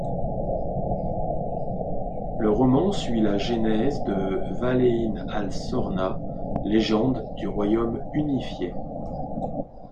Le roman suit la genèse de Vaelin Al Sorna, légende du Royaume Unifié.